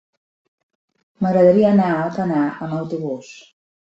M'agradaria anar a Alcanar amb autobús.